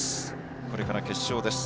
これから決勝です。